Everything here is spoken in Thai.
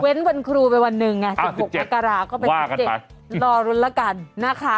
เว้นวันครูไปวันหนึ่งอ่ะ๑๗ว่ากันไปรอรุนละกันนะคะ